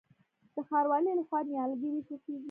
د ښاروالۍ لخوا نیالګي ویشل کیږي.